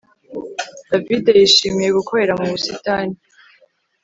David yishimiye gukorera mu busitani